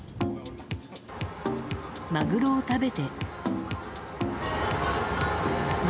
マグロを食べて。